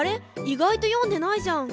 意外と読んでないじゃん。